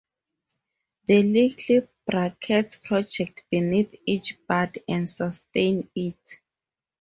The little brackets project beneath each bud and sustain it.